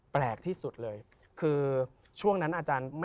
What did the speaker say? พระพุทธพิบูรณ์ท่านาภิรม